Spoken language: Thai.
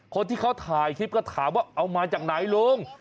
คนที่เขาถ่ายคลิปก็ถามว่าเอามาจากไหนลุง